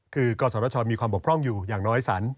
คือกอสรธชามีความบกพร่องอยู่อย่างน้อยสัน